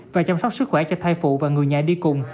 và chăm sóc sức khỏe cho thai phụ và người nhà đi cùng